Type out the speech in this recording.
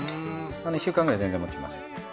１週間くらい全然もちます。